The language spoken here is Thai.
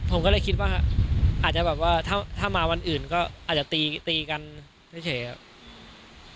ผมก็เลยคิดว่าอาจจะแบบว่าถ้ามาวันอื่นก็อาจจะตีกันเฉยครับ